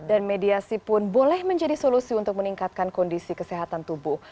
dan mediasi pun boleh menjadi solusi untuk meningkatkan kondisi kesehatan tubuh